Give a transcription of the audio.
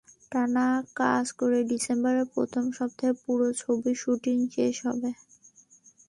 টানা কাজ করে ডিসেম্বরের প্রথম সপ্তাহে পুরো ছবির শুটিং শেষ হবে।